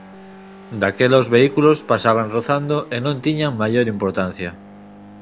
Daquela os vehículos pasaban rozando e non tiña maior importancia.